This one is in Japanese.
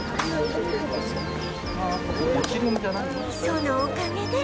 そのおかげで